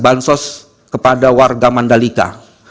bansos kepada warga mandalika